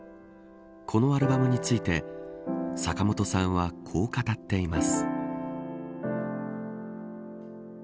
このアルバムについて坂本さんは、こう語っています。